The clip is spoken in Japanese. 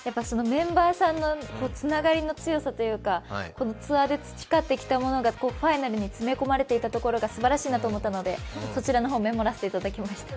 メンバーさんのつながりの強さというかツアーで培ってきたものがファイナルに詰め込まれていたのがすごいなと思ったのでそちらの方をメモらせていただきました。